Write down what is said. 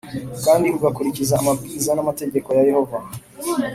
kandi ugakurikiza amabwiriza n’amategeko ya Yehova